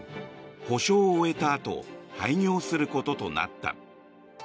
補償を終えたあと廃業することとなった。